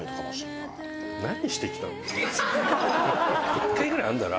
１回ぐらいあんだろ